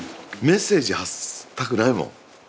メッセージ発したくないもん。